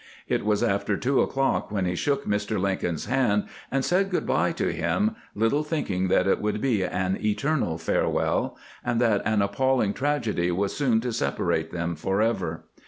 It was after two o'clock when he shook Mr. Lincoln's hand and said good by to him, little thinking that it would be an eternal farewell, and that an appalling tragedy was soon to separate them forever.